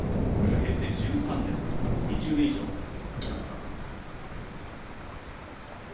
平成１３年ですから２０年以上前です。